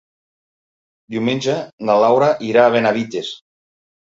Diumenge na Laura irà a Benavites.